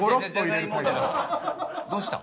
どうしたん？